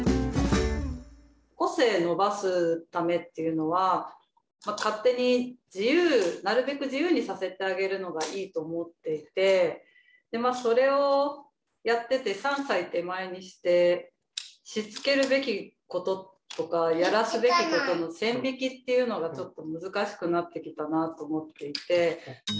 個性伸ばすためっていうのは勝手になるべく自由にさせてあげるのがいいと思っていてそれをやってて３歳手前にしてしつけるべきこととかやらすべきことの線引きっていうのが難しくなってきたなと思っていて。